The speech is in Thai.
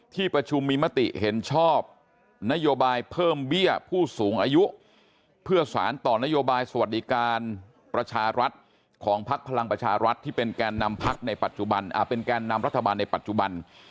ที่ประชุมมีมติเห็นชอบนโยบายเพิ่มเบี้ยผู้สูงอายุเพื่อสารต่อนโยบายสวัสดิการประชารัฐของภักดิ์พลังประชารัฐที่เป็นแก่นนำรัฐบาลในปัจจุบัน